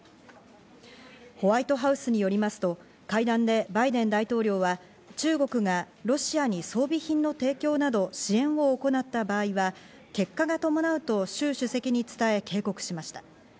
ホワイトハウスによりますと会談でバイデン大統領は、中国がロシアに装備品の提供など支援を行った場合は、結果が伴うと、シュウ主席に伝え警告しました。